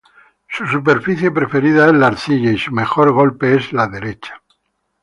Su superficie preferida es la arcilla, y su mejor golpe es la derecha.